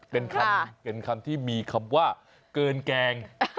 เป็นคำที่มีคำว่าเกินแกง